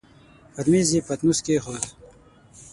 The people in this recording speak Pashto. پر مېز يې پتنوس کېښود.